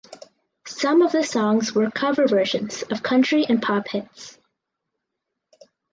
Some of the songs were cover versions of country and pop hits.